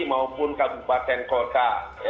maupun kabupaten kota